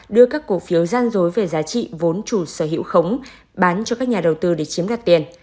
đưa các cổ phiếu gian dối về giá trị vốn chủ sở hữu khống bán cho các nhà đầu tư để chiếm đoạt tiền